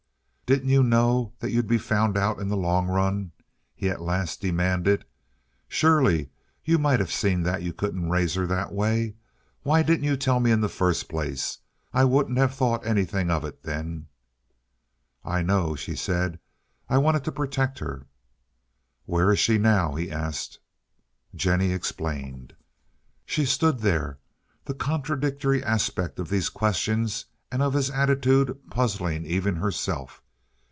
"Didn't you know that you'd be found out in the long run?" he at last demanded. "Surely you might have seen that you couldn't raise her that way. Why didn't you tell me in the first place? I wouldn't have thought anything of it then." "I know," she said. "I wanted to protect her." "Where is she now?" he asked. Jennie explained. She stood there, the contradictory aspect of these questions and of his attitude puzzling even herself.